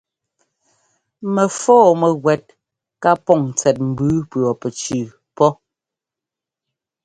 Mɛfɔ́ɔ mɛwɛ́t ká pɔŋ tsɛt mbʉʉ pʉɔpɛtsʉʉ pɔ́.